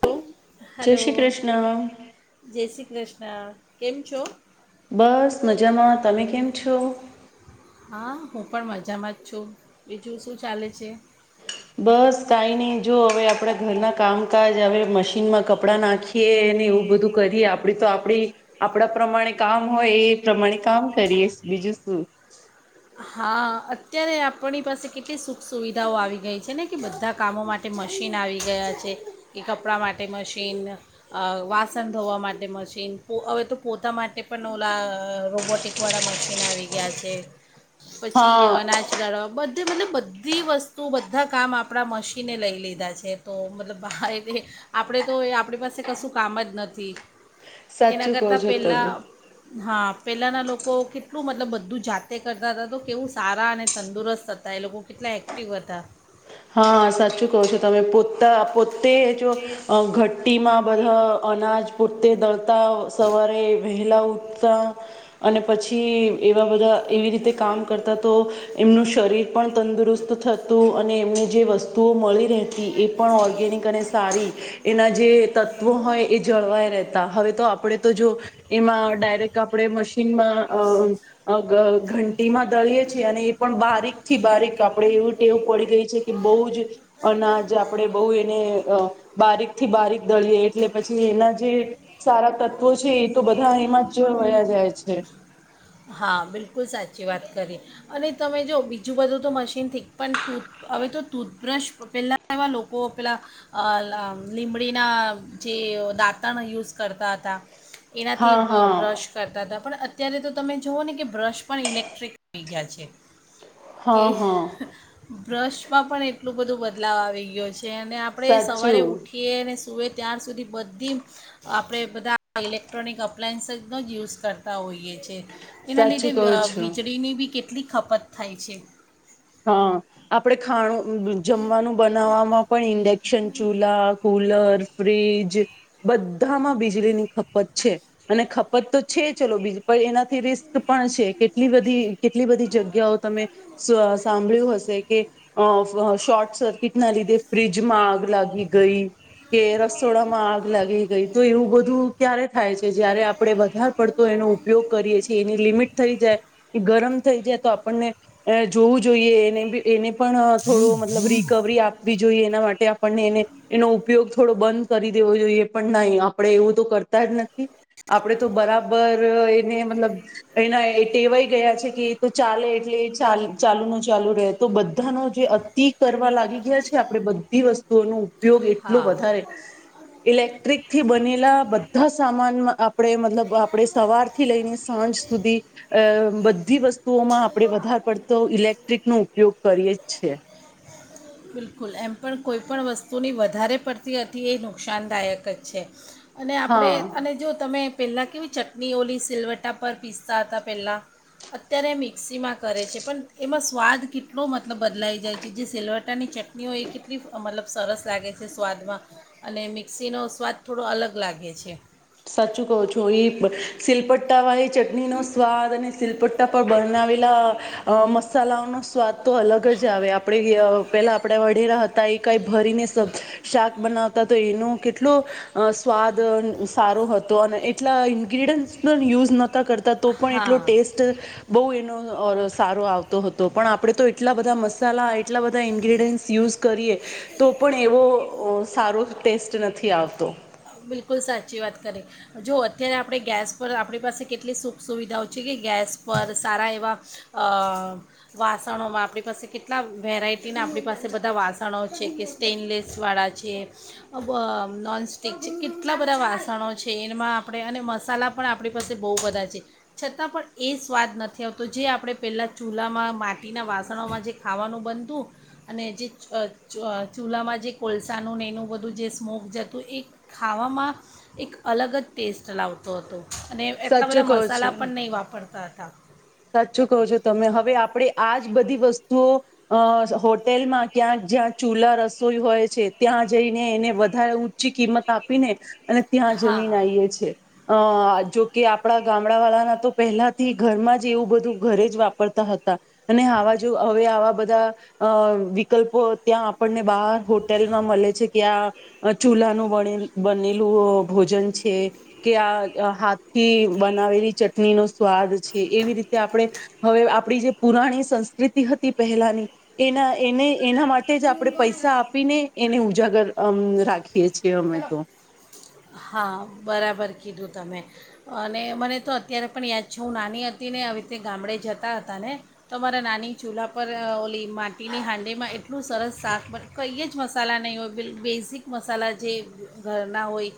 Hello જય hello Shri Krishna જય શ્રી કૃષ્ણ. કેમ છો? બસ મજામાં. તમે કેમ છો? હા હું પણ મજામાં જ છું. બીજું શું ચાલે છે? બસ કાઈ નહી જો હવે આપણા ઘરના કામકાજ હવે મશીનમાં કપડા નાખીએ ને એવું બધું કરીએ આપડી તો આપડી આપડા પ્રમાણે કામ હોય એ પ્રમાણે કામ કરીએ બીજું શું. હા અત્યારે આપણી પાસે કેટલી સુખ સુવિધાઓ આવી ગઈ છે ને કે બધા કામો માટે મશીન આવી ગયા છે કે કપડાં માટે મશીન અ વાસણ ધોવા માટે મશીન હવે તો પોતા માટે પણ ઓલા રોબોટિકવાળા મશીન આવી ગયા છે. પછી હા અનાજ દળવા બ ધે મતલબ બધી વસ્તુ બધા કામ આપણા મશીને લઈ લીધા છે તો મતલબ એ આપણે તો એ આપણી પાસે કશું કામ જ નથી. એના સાચું કવ કરતાં છો તમે. પહેલાં હા પેલાના લોકો કેટલું મતલબ બધું જાતે કર [unintelligible] તો કેવું સારા અને તંદુરસ્ત હતા એ લોકો કેટલા એક્ટિવ હતા. હા સાચું કવ છો તમે પોતા પોતે જો અ ઘંટી માં બધા અનાજ પોતે દળ તા સવારે વહેલા ઉઠતા અને પછી એવા બધા એવી રીતે કામ કરતા તો એમનું શરીર પણ તંદુરસ્ત થતું અને એવુ જે વસ્તુઓ મળી રહેતી એ પણ ઓર્ગેનિક અને સારી એના જે તત્વો હોય એ જળવાય રહેતા હવે તો આપણે તો જો એમાં ડાયરેક્ટ આપણે મશીનમાં અ ધ ઘંટીમાં દળીએ છીએ અને એ પણ બારીક થી બારીક આપણે એવી ટેવ પડી ગઈ છે કે બહુ જ અનાજ આપણે બહુ એને બારીક થી બારીક દળીએ એટલે પછી એના જે સારા તત્વો છે ઈ તો બધા એમાં જ વયા જાય છે. હા બિલકુલ સાચી વાત કરી અને તમે જો બીજું બધું તો મશીનથી પણ ટૂથ હવે તો ટૂથબ્રશ પહેલાં એવા લોકો પેલાં અ લા લીમડીના જે દાંતણ યુઝ કરતા હતા એનાથી હા બ હા બ્રશ કરતાતા પણ અત્યારે તો તમે જુઓ ને કે બ્રશ પણ ઇલેક્ટ્રિક થઈ ગયા છે. કે હા હા બ્રશમાં પણ એટલું બધું બદલાવ આવી ગ્યો છે. જેને આપણે સવારે સાચું ઉઠીએ ને સુએ ત્યાાર સુધી બધી આપણે બધા ઇલેક્ટ્રોનિક અપ્લાયન્સીસનો જ યુઝ કરતા હોઈએ છ એના સાચું લીઘે કહો છો વીજળીની બી કેટલી ખપત થાય છે હા આપડે ખાણું જમવાનું બનાવવામાં પણ ઇન્ડક્શન ચૂલા કુલર ફ્રીજ બધામાં વીજળી ની ખપત છે અને ખપત તો છે ચલો બીજું પઇ એના રિસ્ક પણ છે કેટલી બધી કેટલી બધી જગ્યાઓ તમે સ્વ હશે કે શોર્ટ સર્કિટ ના લીધે ફ્રીજમાં, આગ લાગી ગઈ. કે રસોડામાં આગ લાગી ગઈ તો, એવું બધું ક્યારે થાય છે, જ્યારે આપડણે વધારે પડતો એનો ઉપયોગ કરીએ છીએ, એની લિમિટ થઈ જાય ગરમ થઈ જાય તો આપણને જોવું જોઈએ. પણ થોડો મતલબ રિકવરી આપ આપવી જોઈએ એના માટે આપણને એને એનો ઉપયોગ થોડો બંધ કરી દેવો જોઈએ પણ નહી આપણે એવું તો કરતા જ નથી આપણેે તો બરાબર, એને મતલબ એના ટેવાય ગયા છે, કે એ તો ચાલે એટલે ચ ચાલુ ન ચાલુ રહે તો બધાનો જે અતિ કરવા લાગી ગયા છે, આપડણે બધી વસ્તુઓનું ઉપયોગ એટલો હા વધારે, ઇલેક્ટ્રિક થી બનેલા બધા સામાનમાં આપણે મતલબ આપણે સવારથી લઈને સાંજ સુધી, અ બધી વસ્તુઓમાં આપણે વધારે પડ તો ઇલેક્ટ્રિક નો ઉપયોગ કરીએ જ છે. બિલકુલ એમ પણ કોઈ પણણ વસ્તુની, વધારે પડતી હતી એ નુકસાનદાયક જ છે. અને આપણે, હા અને જો તમે પહેલાં કેવી ચટણી ઓલી સિલવટા પર પીસતા હતા. પહેલાં અત્યારે મિક્સીમાં કરે છે, પણ એમાં સ્વાદ કેટલો મતલબ બદલાઈ જાય છે, જે સિલવટાની ચટ ની હો એ કેટલી મતલબ સરસ લાગે છે, સ્વાદમાં અને મિક્સીનો સ્વાદ થોડો અલગ લાગે છે. સાચું કઉ છું. એઈ સિલપટ્ટા હોયે ચટણી નો સ્વાદ અને, સિલપટ પર બનાવેલા મસાલાઓનો, સ્વાદ તો અલગ જ, આવે આપડે પેલા આપણા વઢેરા હતા, એ કઈ ભરીને સારો હતો, અને એટલા ઇન્ગ્રીડિયન્ટ્સ પણ યુઝહતા કરતા. તો પણ એટલો હા ટેસ્ટ બહુ એનો સારો આવતો હતો પણ આપણે તો એટલા બધા મસાલા એટલા બધા ઈન્ગ્રીડયન્ટસ યુઝ, કરીએ તો પણ એવો સારો ટેસ્ટ નથી આવતો. બિલકુલ સાચી વાત કરીએ જો અત્યારે આપણે ગેસ પર આપણી પાસે કેટલી સુખસ સુવિધાઓ છે, કે ગેસ પર સારા એવા વાસણોમાં આપણી પાસે કેટલા વેરાયટીના આપણી પાસે બધા વાસણો છે, કે સ્ટેઇનલેસવાળા છે નોન ઠક છે કેટલા બધા વાસણો છે, એમાં આપણે અને મસાલા પણ આપણી પાસે બહુ બધા છે, છતાં પણ એ સ્વાદ નથી આવતો જે આપણે પહેલાં ચૂલામાં માટીના વાસણોમાં જે ખાવાનું બનતું, અને જે ચૂલામાં જે કોલસાનું ને એનું બધું જે સ્મોક જતું એ ખાવામાં એક અલગ જ ટેસ્ટ લાવતો હતો. અને એટલા સાચું બધા કહો છો મસાલા પણ નહીં વાપરતા હતા. સાચું કહો છો તમે હવે આપણે આજ બધી વસ્તુઓ અ હોટેલમાં ક્યાંક જ્યાં ચૂલા રસોઈ હોય છે, ત્યાં જઈને એને વધારે ઊંચી કિંમત આપીને અને ત્યાં હા જમીન આએ છે. અ જોકે આપડા ગામડા વાળાના તો પહેલાથી ઘરમાં જ એવું બધું ઘરે જ વાપરતા હતા અને આવા જો હવે આવા બધા, અ વિકલ્પો ત્યાં આપણને બહાર હોટેલમાં મળે છે, કે આ ચૂલાનુંું બનેલું ભોજન છે કે આ હા થી બનાવેલી ચટણી નો સ્વાદ છે. એવી રીતે આપણે હવે જે પુરાણી સંસ્કૃતિ હતી, પહેલાની એના એને એના માટે જ, આપણે પૈસા આપીને એને ઉ જગર અમ રાખીએ છીએ. અમે તો હા બરાબર કીધું. તમે અને મને તો અત્યારે પણ યાદ છે હું નાની હતી ને આવી રીતે ગામડે જતા હતા ને તો મારા નાની ચૂલાા પર ઓલી માટીની હાંડીમાં એટલું સરસ શાક કંઈ જ મસાલા નહીં હોય બેઝિક મસાલા જે ઘરના હોય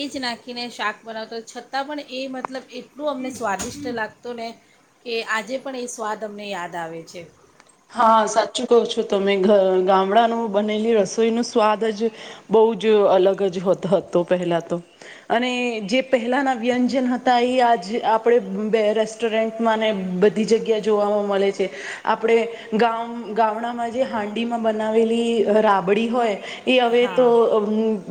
એ જ નાખીને શાક બનાવતા હોય છતાં પણ એ મતલબ એટલું અમને સ્વાદિષ્ટ લાગતું ને. કે આજે પણ એ સ્વાદ અમને યાદ આવે છે. હા સાચું કહો છો તમે ગામડાનું બનેલી રસોઈ ન સ્વાદ જ બહુ જ અલગ જ હતો પહેલા તો. અને જે પહેલાના વ્યંજન હતા એ આજ આપણે બે રેસ્ટોરન્ટમાં ને બધી જગ્યા જોવાવામાં મળે છે. આપણે ગ ગામડામાં જે હાંડીમાં બનાવેલી રાબડી હોય એ હવે હા તો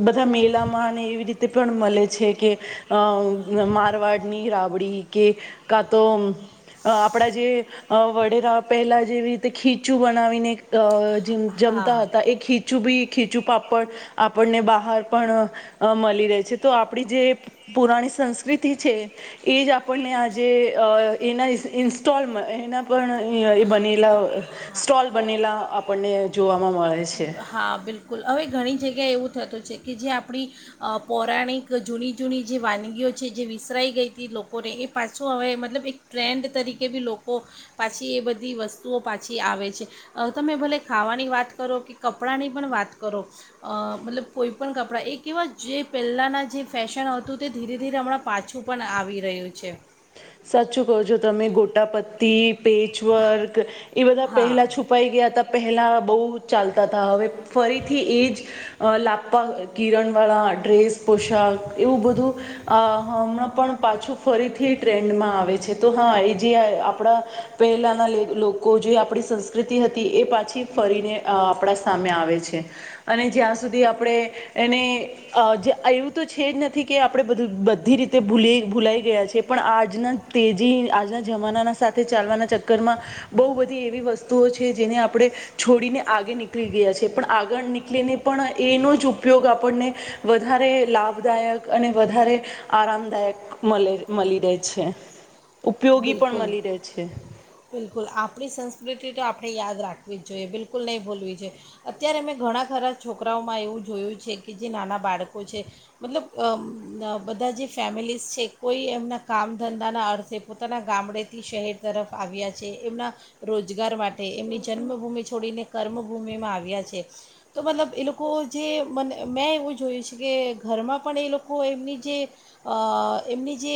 બધા મેલાામાં અને એવી રીતે પણ મળે છે. છેકે મારવાડની રાબડી કે કા તો આપણા જે વડેરા પહેલા જેવી રીતે ખીચું બનાવીને અ જમતા હા હતા એક હીચું બી ખીચું પાપડ આપણને બહાર પણ મળી રહે છે. તો આપણી જે પુરાણી સંસ્કૃતિ છે એ જ આપણને આજે એના ઇન્સ્ટોલમાં, એના પણ એ બનેલા સ્ટોલ બનેલા આપણને જોવા હા બિલકુલ હવે ઘણી જગ્યા જગ્યા એવું થતું છે કે જે આપણી પૌરાણિક જૂની જૂની જે વાનગીઓ છે જે વિસરાઈ ગઈ હતી લોકોને એ પાછું હવે મતલબ એક ટ્રેન્ડ તરીકે બી લોકો પાછી એ બધી વસ્તુઓ પાછી આવે છે. તમે ભલે ખાવાની વાત કરો કે કપડાંની પણ વાત કરો મતલબ કોઈ પણ કપડાં એ એવા જે પહેલાંના જે ફેશન હતું તે ધીરે ધીરે હમણાં પાછું પણ આવી રહ્યું છે. સાચચું કહો છો તમે. ગોટા પતી પેચ વર્ક એ બધા હા પહેલા છુપાઈ ગયા હતા. પહેલાં બહુ ચાલતા હતા હવે ફરીથી એ જ લાપા કિરણવાળા ડ્રેસ પોશાક એવું બધું હમણાં પણ પાછું ફરીથી ટ્રેન્ડમાં આવે છે તો હા એ જે આપણા પહેલાંના લોકો જે આપણી સંસ્કૃતિ હતી એ પાછી ફરીને આપણા સામે આવે છે અને જ્યાં સુધી આપણે એને એવું તો છે જ નથી કે આપણે બધું બધી રીતે ભૂલી ભૂલાઈ ગયા છે. પણ આજના તેજી આજના જમાનાના સાથે ચાલવાના ચક્કરમાં બહુ બધી એવી વસ્તુઓ છે જેને આપણે છોડીને આગે નીકળી ગયા છેએ પણ આગળ નીકળીને પણ એનો જ ઉપયોગ આપણને વધારે લાભદાયક અને વધારે આરામદાયક મળે. મળી રહે છે. ઉપયોગી પણ બિલકુલ મળી રહે છે બિલકુલ આપણી સંસ્કૃતિ તો આપ આપણે યાદ રાખવી જ જોઈએ બિલકુલ નહીં ભૂલવી જોઈએ અત્યારે મેં ઘણા ખરા છોકરાઓમાં એવું જોયું છે કે જે નાના બાળકો છે મતલબ બધા જે ફેમિલીઝ છે કોઈ એમ ના કામ ધંધા ના અર્થે પોતાના ગામડેથી શહેર તરફ આવ્યા છે. એમના રોજગાર માટે તે એમની જન્મભૂમિ છોડીને કર્મભૂમિમાં આવ્યા છે. તો મતલબ એ લોકો જે મને મેં એવું જોયું છે કે ઘરમાં પણ એ લોકો એમની જે એમની જે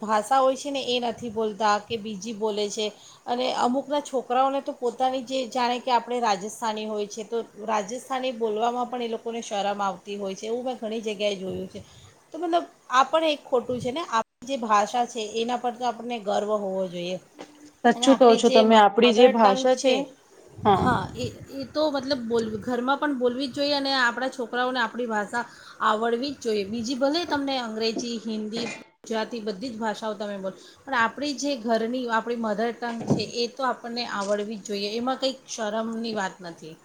ભાષા હોય છે. છે ને એ નથી બોલતા કે બીજી બોલે છે. અને અમુકના છોકરાઓને તો પોતાની જે જાણે કે આપણે રાજસ્થાની હોય છે તો રાજસ્થાની બોલવામાં પણ એ લોકોને શરમ આવતી હોય છે. એવું મેં ઘણી જગ્યાએ જોયું છે. તો મતલબ આ પણ એક ખોટું છે ને. આપ જે ભાષા છે એના પર તો આપણને ગર્વ હોવો જોઈએ. અને સાચું કહો આપડી છો જે તમે આપડી જે મધર ટંગ ભાષા છે. હા એ એ તો મતલબ બોલવું ઘરમાં પણ બોલવી જ જોએ અને આપણા છોરા છોકરાઓને આપણી ભાષા આવડવી જ જોઈએ બીજી ભલે તમને અંગ્રેજી હિન્દી ગુજરાતી બધી જ ભાષાઓ તમે બોલ પણ આપણી જે ઘરની આપણી મધર ટંગ છે એ તો આપણને આવડવી જ જોઈએ એમાં કંઈક શરમની વાત નથી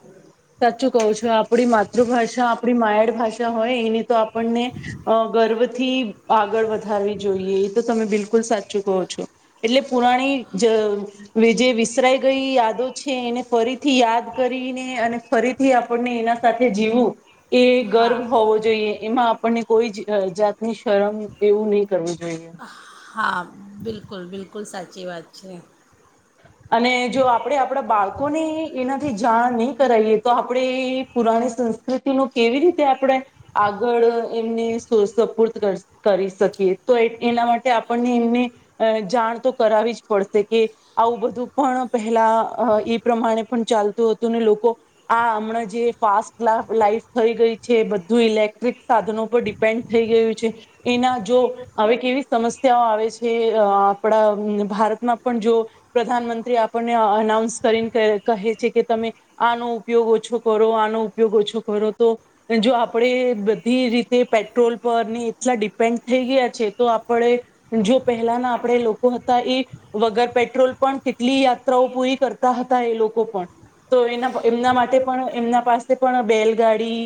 સાચું કહો છો આપણી માતૃભાષા આપણી માયાડ ભાષા હોય એની તો આપણને ગર્વથી આગળ વધારવી જોઈએ એ તો તમે બિલકુલ સાચું કહો છો એટલે પુરાણી જે વિસરાઈ ગઈ યાદો છે એને ફરીથી યાદ કરીને અને ફરીથી આપણને એના સાથે જીવું એ ગર્વ હા હોવો જોઈએ એમાં આપને કોઈ જ જાતની શરમ એવું નહી કરવું જોઈએ હા બિલકુલ બિલકુલ સાચી વાત છે [unintelligible] અને જો આપણે આપણા બાળકોને એનાથી જાણ નહીં કરાવએ તો આપણે પુરાણી સંસ્કૃતિ ન કેવી રીતે આપણે આગળ એમને સપૂર્દ કરી શકીએ તો એના માટે આપણને એમને જાણ તો કરાવી જ પડશે કે આવું બધું પણ પહેલા એ પ્રમાણે પણ ચાલતું હતું ને લોકો આ હમણાં જે ફાસ્ટ લાઈફ થઈ ગઈ છે બધું ઇલેક્ટ્રિક સાધનો પર ડિપેન્ડ થઈ ગયું છે એના જો હવે કેવી સમસ્યાઓ આવે છે આપણા ભારતમાં પણ જો પ્રધાનમંત્રી આપણને અનાઉન્સ કરીને કહે છે કે તમે આનો ઉપયોગ ઓછો કરો આનો ઉપયોગ ઓછો કરો તો જો આપણે બધી રીતે પેટ્રોલ પરને એટલા ડિપેન્ડ થઈ ગયા છે તો આપણે જો પહેલાના આપણે લોકો હતા એ વગર પેટ્રોલ પણ કેટલી યાત્રાઓ પૂરી કરતા હતા એ લોકો પણ તો એના એમના માટે પણ એમના પાસે પણ બેલગાડી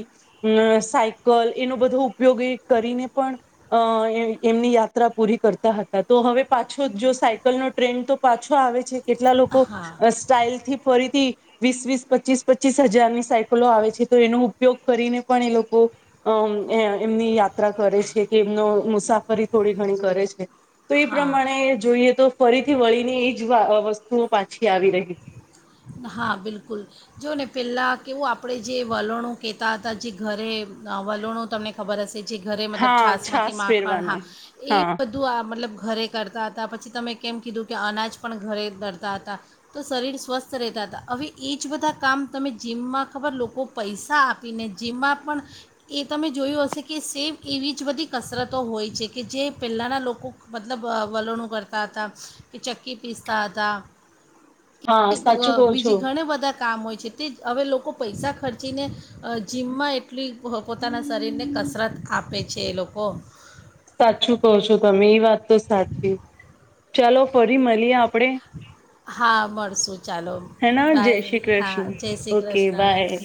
અ સાયકલ એનો બધો ઉપયોગ એ કરીને પણ અ એમની યાત્રા પૂરી કરતા હતા તો હવે પાછો જો સાયકલનોો ટ્રેન્ડ તો પાછો આવે છે કેટલા લોકો હા સ્ટાાઈલથી ફરીથી વીસ વીસ પચીસ પચીસ હજારની સાયકલો આવે છે તો એનો ઉપયોગ કરીને પણ એ લોકો અમ એમની યાત્રા કરે છે કે એમનો મુસાફરી થોડી ઘણી કરે છે તો એ હા પ્રમાણે જોઈએ તો ફરીથી મળી ને એ બ વસ્તુઓ પાછી આવી રહી છે [unintelligible] હા બિલકુલ જોઓ ને પહેલાં કેવું આપણે જે વલણો કહેતા હતા જે ઘરે વલોણો તમને ખબર હશે જે ઘરે મતલબ હા છશમાંથી છાસ માખણ હા ફેરવાનું એ હા બધું આ મતલબ ઘરે કરતા હતા પછી તમે કેમ કીધું કે અનાજ પણ ઘરે ડરતા હતા તો શરીર સ્વસ્થ સ્સ્ત રહેતા હતા હવે એ જ બધા કામ તમે જીમમાં ખબર લોકો પૈસા આપીને જીમમાં પણ એ તમે જોયું હશે કે સેમ એવી જ બધી કસરતો હોય છે કે જે પહેલાંના લોકો મતલબ વલણું કરતા હતા કે ચક્કી પીસતા હતા હા સાચું કહો છો બીજી ઘણા બધા કામ હોય છે તે હવે લોકો કો પૈસા ખર્ચીને જીમમાં એટલી પોતાના શરીરને કસરત આપે છે છે લોકો સાચું કહો છો તમે એ વાત તો સાચી ચાલો ફરી મળી આપ હા મળશું ચાલો હેના જય બાય શ્રી હા કૃષ્ણ. જય શ્રી ઓકે કૃષ્ણ બાય.